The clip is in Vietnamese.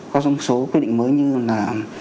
có một số quy định mới như là